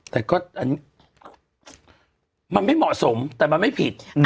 แต่ก็อันนี้มันไม่เหมาะสมแต่มันไม่ผิด